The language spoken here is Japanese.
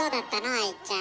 愛ちゃん。